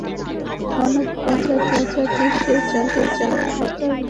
মানবজাতির মহাবিশ্বের যান্ত্রিকতায় হস্তক্ষেপ করার কোনো অধিকার নেই।